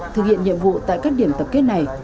thực hiện nhiệm vụ tại các điểm tập kết này